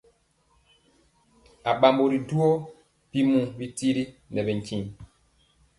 Aɓambo ri duwɔ bimu tiri nɛ bintiŋ.